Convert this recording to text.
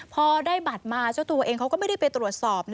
พอได้บัตรมาเจ้าตัวเองเขาก็ไม่ได้ไปตรวจสอบ